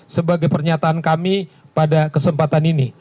sebagai pernyataan kami pada kesempatan ini